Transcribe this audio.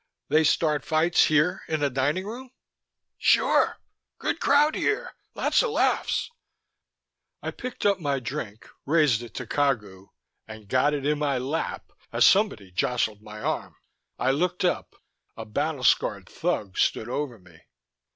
"They start fights here in the dining room?" "Sure. Good crowd here; lotsa laughs." I picked up my drink, raised it to Cagu and got it in my lap as somebody jostled my arm. I looked up. A battle scarred thug stood over me.